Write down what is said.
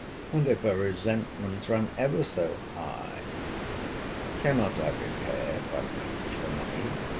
—And if her resentments run ever so high, cannot I repair by matrimony?